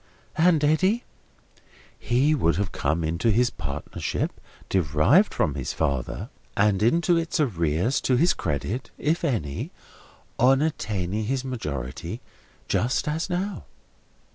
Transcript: "And Eddy?" "He would have come into his partnership derived from his father, and into its arrears to his credit (if any), on attaining his majority, just as now."